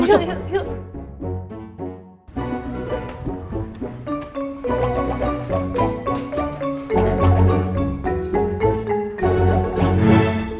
masuk ke dalam